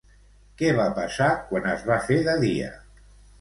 Què va passar quan es va fer de dia?